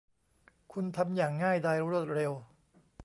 คุณทำอย่างง่ายดายรวดเร็ว